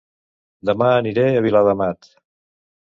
Dema aniré a Viladamat